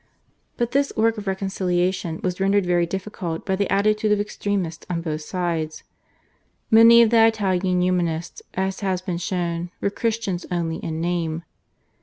But this work of reconciliation was rendered very difficult by the attitude of extremists on both sides. Many of the Italian Humanists, as has been shown, were Christians only in name.